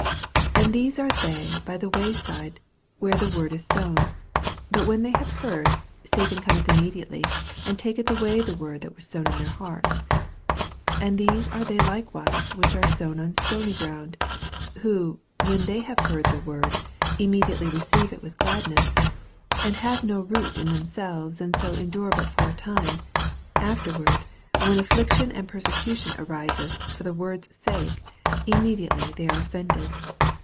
15 And these are they by the way side, where the word is sown ; but when they have heard, Satan cometh immediately, and taketh away the word that was sown in their hearts. 16 And these are they likewise which are sown on stony ground ; who, when they have heard the word, immediately receive it with gladness : 17 And have no root in themselves^ and so endure but for a time : after ward, when affliction or persecution ariseth for the word's sake, immedi ately they are offended.